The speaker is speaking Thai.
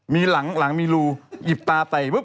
มีหลังหลังมีรูหยิบตาใส